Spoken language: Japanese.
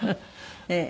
ええ。